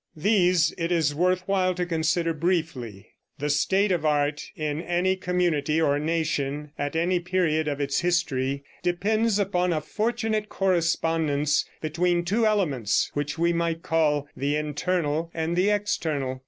These it is worth while to consider briefly: The state of art, in any community or nation, at any period of its history, depends upon a fortunate correspondence between two elements which we might call the internal and the external.